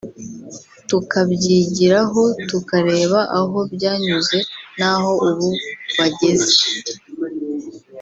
tukabyigiraho tukareba aho byanyuze naho ubu bageze